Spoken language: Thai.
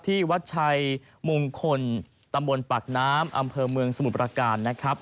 ที่วัดชัยมงคลตำบลปากน้ำอำเภอเมืองสมุทรประการนะครับ